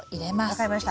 分かりました。